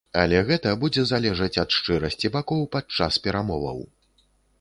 Але гэта будзе залежаць ад шчырасці бакоў падчас перамоваў.